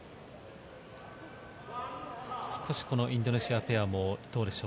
インドネシアペアもどうでしょう？